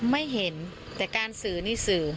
ไม่เห็นแต่การสื่อนี่สื่อ